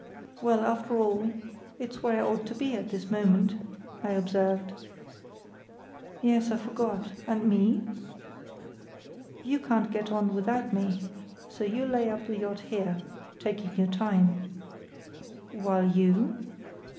"Well, after all, it's where I ought to be at this moment," I observed. "Yes, I forgot. And me?" "You can't get on without me, so you lay up the yacht here—taking your time." "While you?"